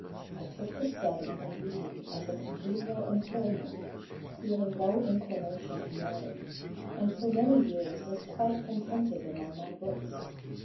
I took to study and reading as a congenial employment, feeling no inclination to marry, and for many years was quite contented among my books.